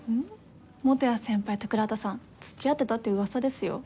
本谷先輩と倉田さん付き合ってたって噂ですよ。